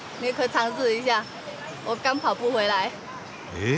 え！？